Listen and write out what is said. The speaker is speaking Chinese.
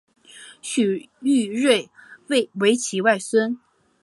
许育瑞为其外孙。